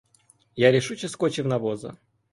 Я рішуче скочив на воза.